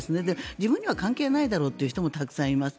自分には関係ないだろうという人もたくさんいます。